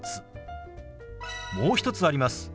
もう一つあります。